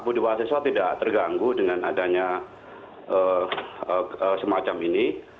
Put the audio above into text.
pertama pak budiwasil tidak terganggu dengan adanya semacam ini